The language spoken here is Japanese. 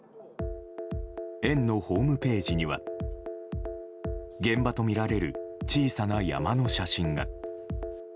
園のホームページには現場とみられる小さな山の写真が。